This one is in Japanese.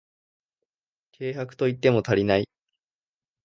軽薄と言っても足りない